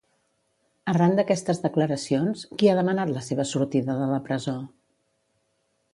Arran d'aquestes declaracions, qui ha demanat la seva sortida de la presó?